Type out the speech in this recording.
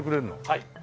はい。